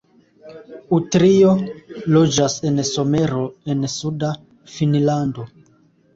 Utrio loĝas en Somero en suda Finnlando.